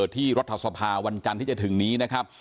รัฐสภาวันจันทร์ที่จะถึงนี้นะครับ